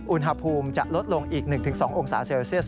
อุณหภูมิจะลดลงอีก๑๒องศาเซลเซียส